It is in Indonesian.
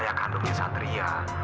ayah kandungnya satria